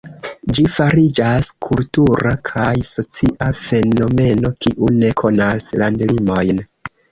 Ĝi fariĝas kultura kaj socia fenomeno kiu ne konas landlimojn.